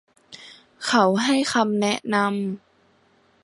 เขาให้คำแนะนำ